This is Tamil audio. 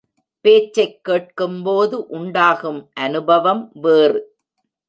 பேச்சைக் கேட்கும்போது உண்டாகும் அநுபவம் வேறு.